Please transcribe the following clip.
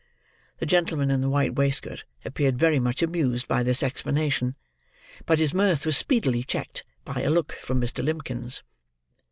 The gentleman in the white waistcoat appeared very much amused by this explanation; but his mirth was speedily checked by a look from Mr. Limbkins.